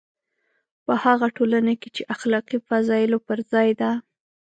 په هغه ټولنه کې چې اخلاقي فضایلو پر ځای ده.